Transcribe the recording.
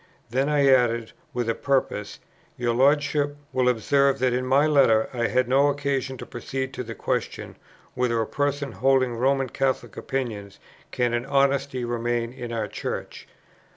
Then I added, with a purpose, "Your Lordship will observe that in my Letter I had no occasion to proceed to the question, whether a person holding Roman Catholic opinions can in honesty remain in our Church.